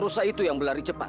rusa itu yang berlari cepat